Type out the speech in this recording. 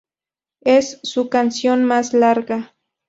Es su canción más larga.